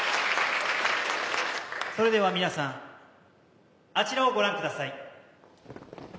それでは皆さんあちらをご覧ください